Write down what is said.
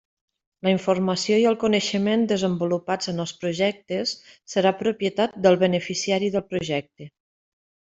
La informació i el coneixement desenvolupats en els projectes serà propietat del beneficiari del projecte.